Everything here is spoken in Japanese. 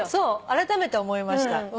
あらためて思いました。